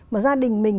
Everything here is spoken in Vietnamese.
mà gia đình mình